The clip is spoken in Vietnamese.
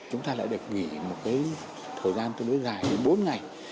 chúng ta lại được nghỉ một thời gian tương đối dài đến bốn ngày